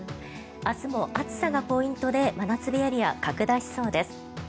明日も暑さがポイントで真夏日エリア、拡大しそうです。